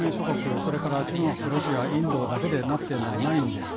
それから中国ロシアインドだけで成っているのではないので。